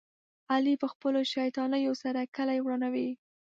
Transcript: علي په خپلو شیطانیو سره کلي ورانوي.